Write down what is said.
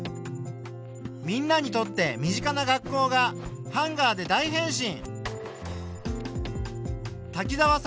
みんなにとって身近な学校がハンガーで大変身！